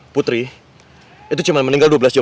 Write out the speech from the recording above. putri itu cuman meninggal dua belas jam doang tante